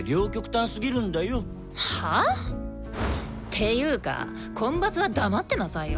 ていうかコンバスは黙ってなさいよ。